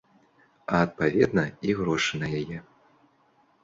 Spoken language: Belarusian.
А адпаведна, і грошы на яе.